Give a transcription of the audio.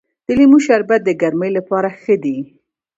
د لیمو شربت د ګرمۍ لپاره ښه دی.